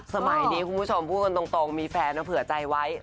สมัยนี้คุณผู้ชมพูดกันตรงมีแฟนเผื่อใจไว้